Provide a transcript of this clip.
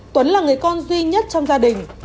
tuấn là người con duy nhất trong gia đình